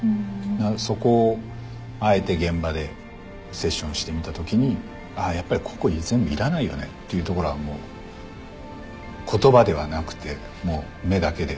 そこをあえて現場でセッションしてみたときにやっぱりここ全部いらないよねっていうところはもう言葉ではなくて目だけでやってみたりとか。